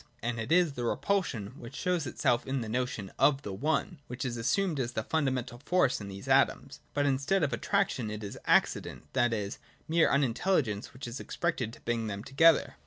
And it is the repulsion, which shows itself in the notion of the One, which is assumed as the fundamental force in these atoms. But instead of attraction, it is Accident, that is, mere unintelligence, which is expected to bring them together.